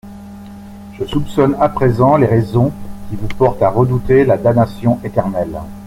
Je soupçonne à présent les raisons qui vous portent à redouter la damnation éternelle.